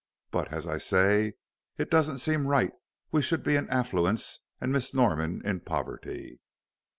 But, as I say, it doesn't seem right we should be in affluence and Miss Norman in poverty.